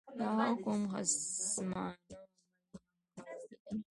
د هغه کوم خصمانه عمل یې هم نه وو لیدلی.